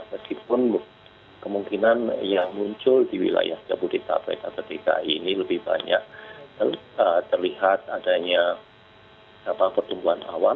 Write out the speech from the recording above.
meskipun kemungkinan yang muncul di wilayah jabodetabek ketika ini lebih banyak terlihat adanya pertumbuhan awan